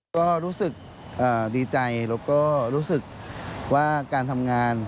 ก็รู้สึกดีใจแล้วก็รู้สึกว่าการทำงาน